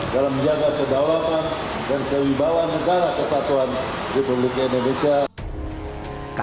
dalam menjaga kedaulatan dan kewibawaan negara kesatuan republik indonesia